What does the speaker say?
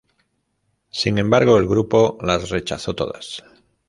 Sin embargo el grupo las rechazo todas.